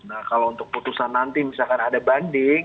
nah kalau untuk putusan nanti misalkan ada banding